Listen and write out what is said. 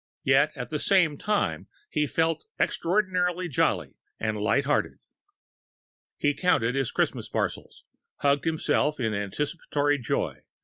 Yet, at the same time, he felt extraordinarily jolly and light hearted.... He counted his Christmas parcels ... hugged himself in anticipatory joy